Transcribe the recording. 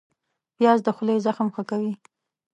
پیاز د خولې زخم ښه کوي